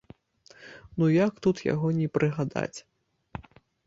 Ну як тут яго не прыгадаць!